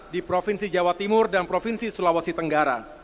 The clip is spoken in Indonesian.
di provinsi jawa timur dan provinsi sulawesi tenggara